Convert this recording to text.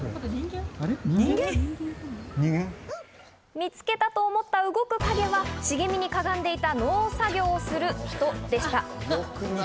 見つけたと思った動く影は、茂みにかがんでいた、農作業をする人でした。